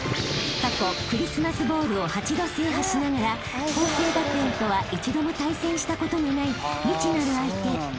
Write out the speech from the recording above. ［過去クリスマスボウルを８度制覇しながら佼成学園とは一度も対戦したことのない］